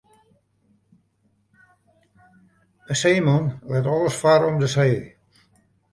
In seeman lit alles farre om de see.